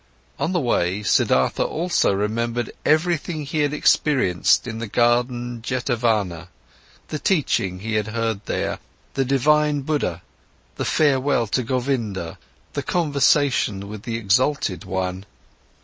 On the way, Siddhartha also remembered everything he had experienced in the Garden Jetavana, the teaching he had heard there, the divine Buddha, the farewell from Govinda, the conversation with the exalted one.